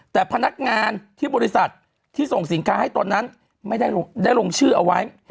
แต่พนักงานที่บริษัทที่ส่งสินค้าให้ตนนั้นไม่ได้ลงชื่อเอาไว้